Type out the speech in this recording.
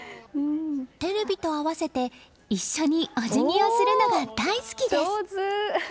テレビと合わせて、一緒にお辞儀をするのが大好きです。